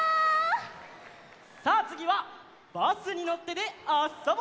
さあつぎは「バスにのって」であそぼう！